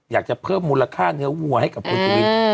อยากจะเพิ่มมูลค่าเนื้อวัวให้กับคุณชุวิต